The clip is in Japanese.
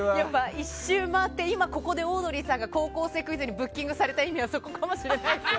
１周回って今、ここでオードリーさんが「高校生クイズ」にブッキングされた意味はそこかもしれないですよ。